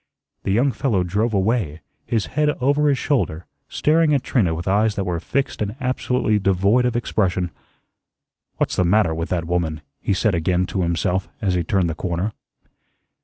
The young fellow drove away, his head over his shoulder, staring at Trina with eyes that were fixed and absolutely devoid of expression. "What's the matter with that woman?" he said again to himself as he turned the corner.